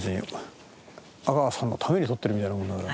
阿川さんのために撮ってるみたいなもんだから。